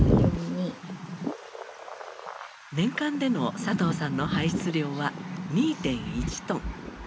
年間でのサトウさんの排出量は２．１トン。